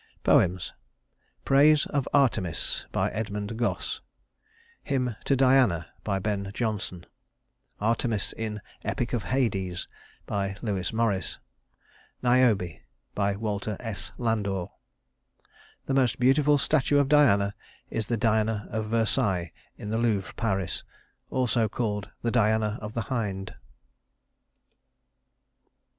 Poems: Praise of Artemis EDMUND GOSSE Hymn to Diana BEN JONSON Artemis in "Epic of Hades" LEWIS MORRIS Niobe WALTER S. LANDOR The most beautiful statue of Diana is the Diana of Versailles, in the Louvre, Paris (also called the Diana of the Hind).